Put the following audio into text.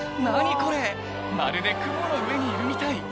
これまるで雲の上にいるみたい